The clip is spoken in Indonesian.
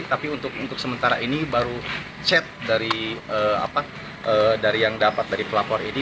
tapi untuk sementara ini baru chat dari pelapor ini